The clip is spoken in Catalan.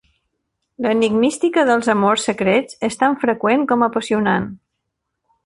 L'enigmística dels amors secrets és tan freqüent com apassionant.